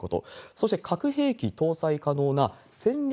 そして核兵器搭載可能な戦略